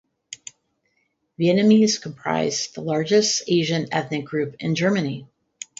Vietnamese comprise the largest Asian ethnic group in Germany.